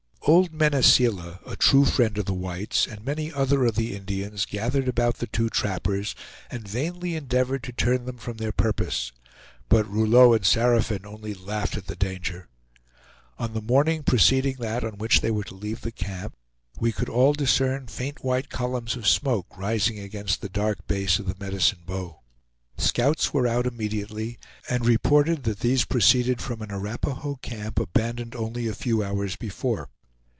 Old Mene Seela, a true friend of the whites, and many other of the Indians gathered about the two trappers, and vainly endeavored to turn them from their purpose; but Rouleau and Saraphin only laughed at the danger. On the morning preceding that on which they were to leave the camp, we could all discern faint white columns of smoke rising against the dark base of the Medicine Bow. Scouts were out immediately, and reported that these proceeded from an Arapahoe camp, abandoned only a few hours before.